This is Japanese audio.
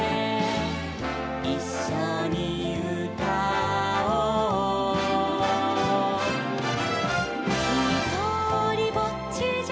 「いっしょにうたおう」「ひとりぼっちじゃ」